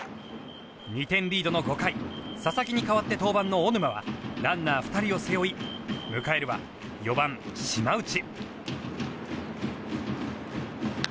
２点リードの５回佐々木に代わって登板の小沼はランナー２人を背負い迎えるは４番、島内。